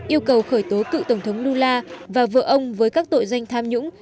yêu cầu khởi tố cựu tổng thống lula và vợ ông với các tội doanh tham nhũng